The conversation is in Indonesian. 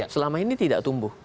selama ini tidak tumbuh